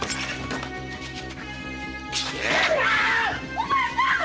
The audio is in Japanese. お前さんっ‼